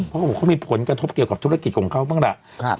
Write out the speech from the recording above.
เพราะเขาบอกเขามีผลกระทบเกี่ยวกับธุรกิจของเขาบ้างแหละ